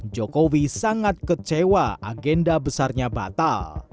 jokowi sangat kecewa agenda besarnya batal